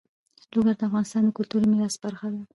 لوگر د افغانستان د کلتوري میراث برخه ده.